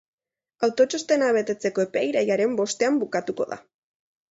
Autotxostena betetzeko epea irailaren bostean bukatuko da.